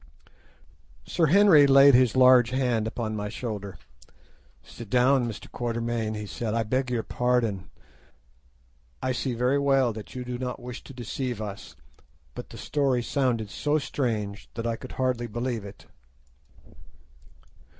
Sir Henry laid his large hand upon my shoulder. "Sit down, Mr. Quatermain," he said, "I beg your pardon; I see very well you do not wish to deceive us, but the story sounded so strange that I could hardly believe it."